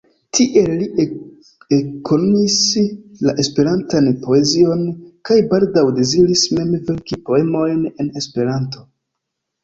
Tiel li ekkonis la Esperantan poezion, kaj baldaŭ deziris mem verki poemojn en Esperanto.